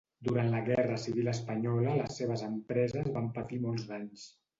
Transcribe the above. Durant la guerra civil espanyola les seves empreses van patir molts danys.